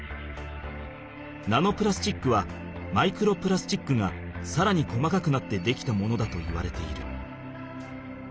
ナノプラスチックはマイクロプラスチックがさらに細かくなってできたものだといわれている。